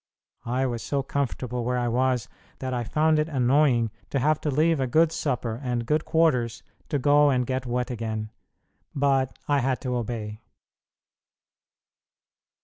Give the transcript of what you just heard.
I was so comfortable where I was that I found it annoying to have to leave a good supper and good quarters to go and get wet again, but I had to obey.